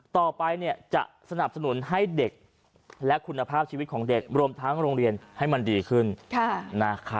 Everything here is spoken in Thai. ต่อไปจะสนับสนุนให้เด็กและคุณภาพชีวิตของเด็กรวมทั้งโรงเรียนให้มันดีขึ้น